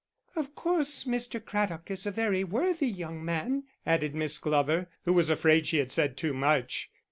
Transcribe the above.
"Of course Mr. Craddock is a very worthy young man," added Miss Glover, who was afraid she had said too much.